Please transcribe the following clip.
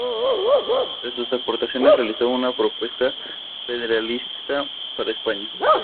Entre sus aportaciones realizó una propuesta federalista para España.